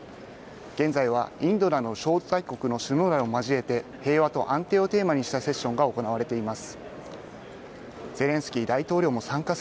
現在はインドなど招待国の首脳らを交えて平和と安定をテーマにしたセッションが行われています。